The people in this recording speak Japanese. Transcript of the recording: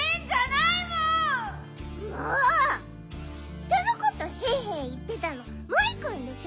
ひとのこと「へんへん」いってたのモイくんでしょ！